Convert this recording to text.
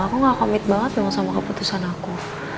aku gak komit banget memang sama keputusan aku